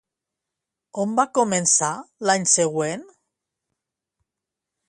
On va començar l'any següent?